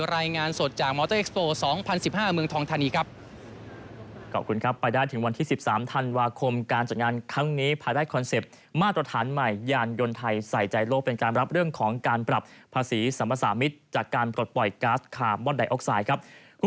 รายงานสดจากมอเตอร์เอ็กซโต๒๐๑๕เมืองทองธานีครับ